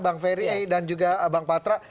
bang ferry dan juga bang patra